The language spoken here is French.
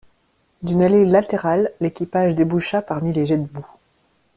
D'une allée latérale l'équipage déboucha parmi les jets de boue.